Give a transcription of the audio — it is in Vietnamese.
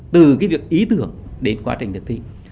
từ cái việc ý tưởng đến quá trình thực thi